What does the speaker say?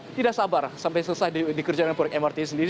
dan juga tidak sabar sampai selesai dikerjakan oleh mrt sendiri